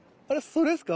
それっすか。